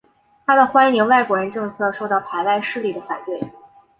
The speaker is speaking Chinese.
他的欢迎外国人政策受到排外势力的反对。